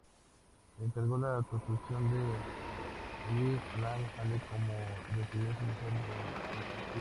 Encargó la construcción de Aliʻiōlani Hale como residencia oficial de la monarquía hawaiana.